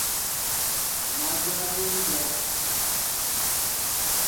Má dyă jǒm dyá.